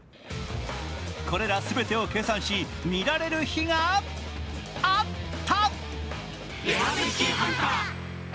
これら全てを計算し、見られる日があった！